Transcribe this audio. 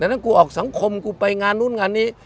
ดังนั้นกูออกสังคมกูไปงานนู้นงานนี้